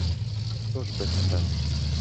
Хто ж би тепер?